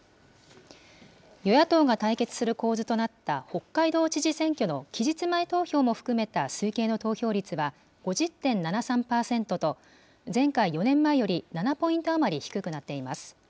与野党が対決する構図となった北海道知事選挙の期日前投票も含めた推計の投票率は、５０．７３％と、前回・４年前より７ポイント余り低くなっています。